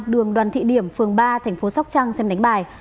đường đoàn thị điểm phường ba thành phố sóc trăng xem đánh bài